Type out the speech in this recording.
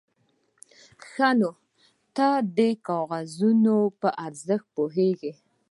_ښه، نو ته د کاغذونو په ارزښت پوهېږې؟